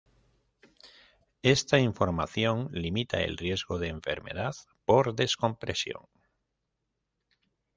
Esta información limita el riesgo de enfermedad por descompresión.